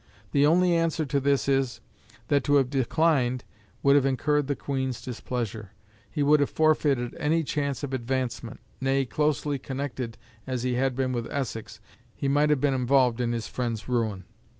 The only answer to this is, that to have declined would have incurred the Queen's displeasure: he would have forfeited any chance of advancement; nay, closely connected as he had been with Essex, he might have been involved in his friend's ruin.